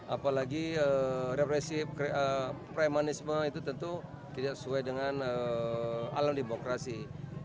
apalagi represif premanisme itu tentu tidak sesuai dengan alam demokrasi